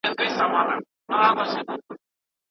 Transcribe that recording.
ايا انلاين زده کړه د ځان زده کړي مهارت لوړوي؟